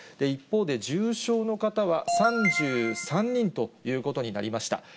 一方で重症の方は３３人ということになりました。